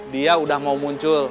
dia udah mau muncul